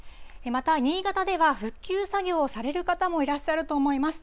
また新潟では、復旧作業をされる方もいらっしゃると思います。